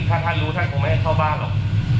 ถ้าท่านรู้ท่านคงไม่ให้เข้าบ้านหรอก